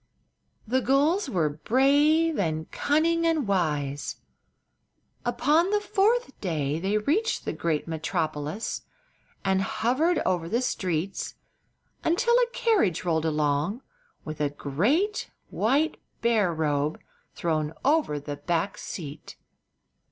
The gulls were brave, and cunning, and wise. Upon the fourth day they reached the great metropolis, and hovered over the streets until a carriage rolled along with a great white bear robe thrown over the back seat.